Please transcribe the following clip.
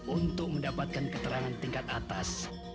untuk mendapatkan keterangan tingkat atas